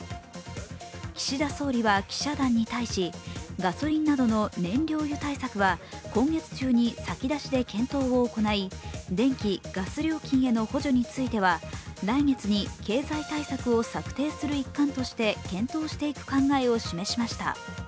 岸田総理は記者団に対し、ガソリンなどの燃料油対策は今月中に先出しで検討を行い、電気・ガス料金への補助については来月に経済対策を策定する一環として検討していく考えを示しました。